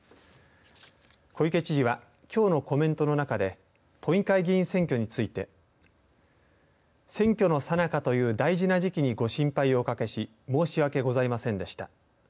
小池知事はきょうのコメントの中で都議会議員選挙について選挙の最中という大事な時期にご心配をおかけし申し訳ございませんでした。